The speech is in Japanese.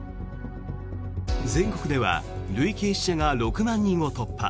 全国では累計死者が６万人を突破。